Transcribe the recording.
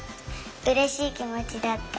うれしいきもちだった。